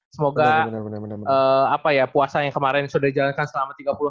semoga puasa yang kemarin sudah dijalankan selama tiga puluh hari